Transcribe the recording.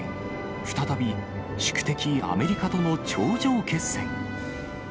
再び宿敵、アメリカとの頂上決戦。